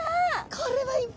これはいっぱい！